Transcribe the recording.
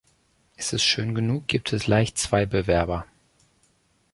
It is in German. Ist es schön genug, gibt es leicht zwei Bewerber.